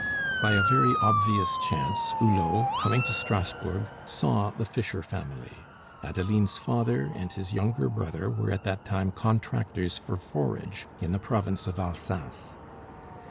By a very obvious chance Hulot, coming to Strasbourg, saw the Fischer family. Adeline's father and his younger brother were at that time contractors for forage in the province of Alsace.